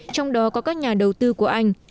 trong đó có các nhà đầu tư của anh